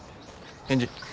返事。